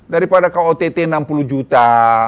daripada ke ott enam puluh juta